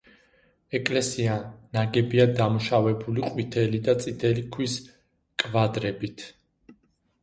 ეკლესია ნაგებია დამუშავებული ყვითელი და წითელი ქვის კვადრებით.